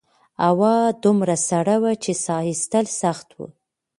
هوا دومره سړه وه چې سا ایستل سخت وو.